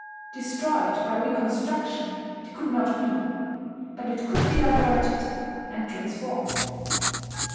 Destroyed by reconstruction it could not be; but it could be diverted and transformed.